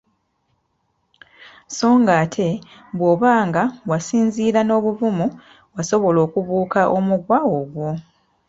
So ng'ate bw'oba nga wasinziira n'obuvumu wasobola okubuuka omuguwa ogwo !